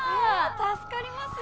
助かります。